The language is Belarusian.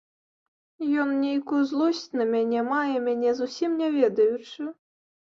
Ён нейкую злосць на мяне мае, мяне зусім не ведаючы.